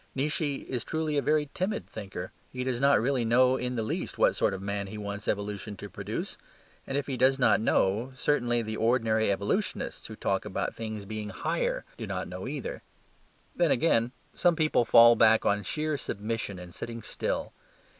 Nietzsche is truly a very timid thinker. He does not really know in the least what sort of man he wants evolution to produce. And if he does not know, certainly the ordinary evolutionists, who talk about things being "higher," do not know either. Then again, some people fall back on sheer submission and sitting still.